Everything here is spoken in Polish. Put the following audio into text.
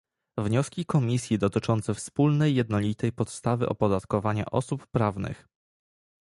Wnioski Komisji dotyczące wspólnej jednolitej podstawy opodatkowania osób prawnych